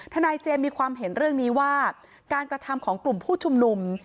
ทนายเจมส์มีความเห็นเรื่องนี้ว่าการกระทำของกลุ่มผู้ชุมนุม